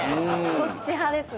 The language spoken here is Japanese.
そっち派ですね。